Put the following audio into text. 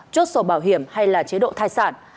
chốt sổ bảo hiểm hay chế độ thai sản